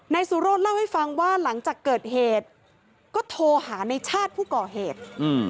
นายสุโรธเล่าให้ฟังว่าหลังจากเกิดเหตุก็โทรหาในชาติผู้ก่อเหตุ